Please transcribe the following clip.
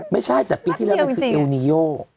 ไม่ใช่แต่ปีที่แล้วมันคือเอลนีโย